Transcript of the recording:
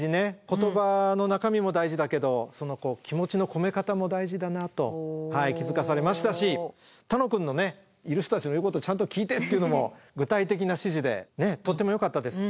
言葉の中身も大事だけど気持ちの込め方も大事だなと気付かされましたし楽くんの「いる人たちの言うことちゃんと聞いて」っていうのも具体的な指示でとってもよかったです。